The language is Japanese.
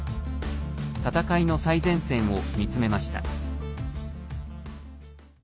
戦いの最前線を見つめました。